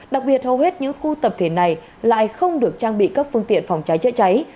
đặc biệt hầu hết những khu tập thể này lại không được trang bị các phương tiện phòng cháy chữa cháy